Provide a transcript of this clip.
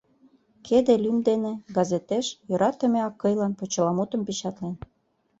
«Кеде» лӱм дене газетеш «Йӧратыме акыйлан» почеламутым печатлен: